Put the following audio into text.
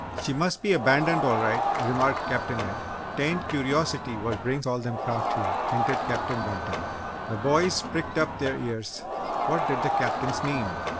"She must be abandoned, all right!" remarked Captain Ed. "'Tain't curiosity what brings all them craft here," hinted Captain Benton. The boys pricked up their ears. What did the Captains mean?